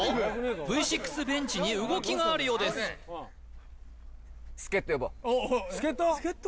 Ｖ６ベンチに動きがあるようです助っ人？